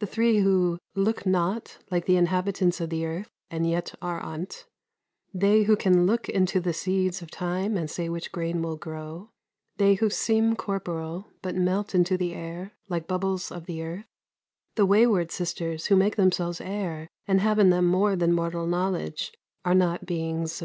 The three who 'look not like the inhabitants o' th' earth, and yet are on't;' they who can 'look into the seeds of time, and say which grain will grow;' they who seem corporal, but melt into the air, like bubbles of the earth; the weyward sisters, who make themselves air, and have in them more than mortal knowledge, are not beings of this stamp."